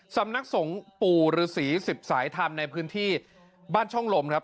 สำนักสงฆ์ปู่ฤษี๑๐สายธรรมในพื้นที่บ้านช่องลมครับ